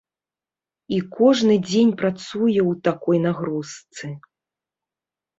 І кожны дзень працуе ў такой нагрузцы.